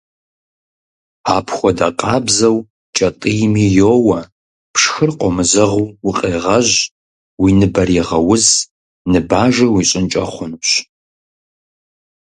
Апхуэдэ къабзэу, кӀэтӀийми йоуэ, пшхыр къомызэгъыу укъегъэжь, уи ныбэр егъэуз, ныбажэ уищӏынкӏэ хъунущ.